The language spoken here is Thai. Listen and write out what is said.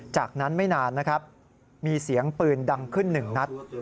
จากนั้นไม่นานนะครับมีเสียงปืนดังขึ้นหนึ่งนัด